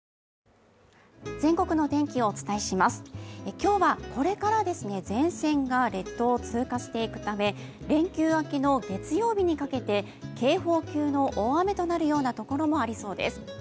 今日はこれから前線が列島を通過していくため連休明けの月曜日にかけて警報級の大雨となるところもありそうです。